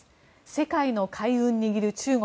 世界の海運握る中国。